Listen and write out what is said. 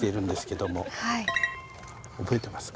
覚えてますか？